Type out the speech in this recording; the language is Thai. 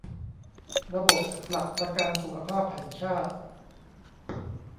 ระบบหลักประกันสุขภาพแห่งชาติ